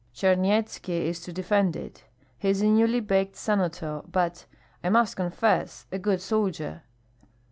Charnyetski is to defend it. He is a newly baked senator, but, I must confess, a good soldier.